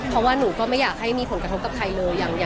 เพราะว่าหนูก็ไม่อยากให้มีผลกระทบกับใครเลย